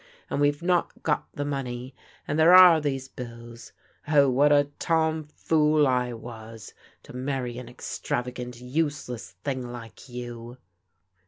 And we've not got the money. And there are these bills. Oh, what a tom fool I was to marry an extravagant, use less thing like you